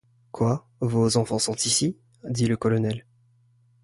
Quoi, vos enfants sont ici ? dit le colonel.